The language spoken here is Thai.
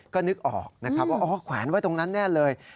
ก็นึกออกนะครับว่าอ๋อแขวนไว้ตรงนั้นแน่เลย